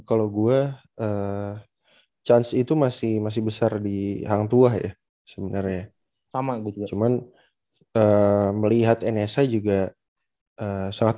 kalau gua chance itu masih masih besar di hangtuah sebenarnya sama cuman melihat nsa juga sangat